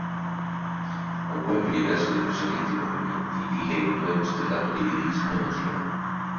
Ancora più diverso dai precedenti movimenti, il "Lento" è costellato di lirismo e magia.